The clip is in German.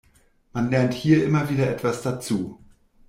Man lernt hier immer wieder etwas dazu.